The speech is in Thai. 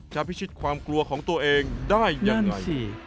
พิชิตความกลัวของตัวเองได้อย่างไร